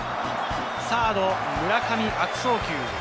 サード・村上、悪送球。